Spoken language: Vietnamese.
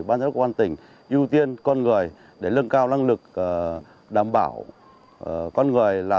ban giáo đốc công an tỉnh ưu tiên con người để lưng cao năng lực đảm bảo con người là